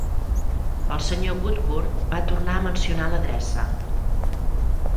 El senyor Woodcourt va tornar a mencionar l'adreça.